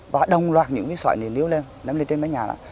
và đồng loạt những viên sỏi này nếu ném lên trên mái nhà đó